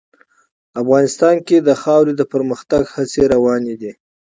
افغانستان کې د خاوره د پرمختګ هڅې روانې دي.